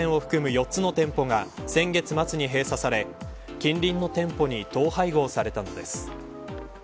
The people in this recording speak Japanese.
４つの店舗が先月末に閉鎖され近隣の店舗に統廃合されたのです。